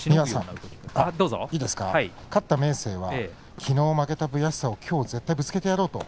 勝った明生は、きのう負けた悔しさをきょうぶつけてやろうと